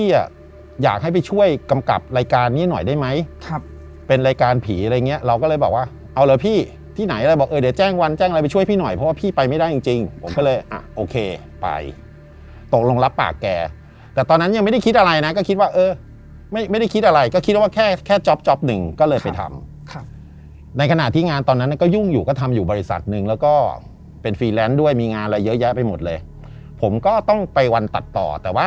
แล้วบอกเดี๋ยวแจ้งวันแจ้งอะไรไปช่วยพี่หน่อยเพราะว่าพี่ไปไม่ได้จริงผมก็เลยอ่ะโอเคไปตกลงรับปากแกแต่ตอนนั้นยังไม่ได้คิดอะไรนะก็คิดว่าเออไม่ได้คิดอะไรก็คิดว่าแค่แค่จ๊อปหนึ่งก็เลยไปทำในขณะที่งานตอนนั้นก็ยุ่งอยู่ก็ทำอยู่บริษัทหนึ่งแล้วก็เป็นฟรีแลนซ์ด้วยมีงานอะไรเยอะแยะไปหมดเลยผมก็ต้องไปวันตัดต